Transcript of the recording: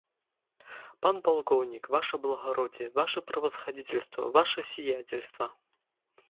Пан палкоўнік, ваша благароддзе, ваша правасхадзіцельства, ваша сіяцельства!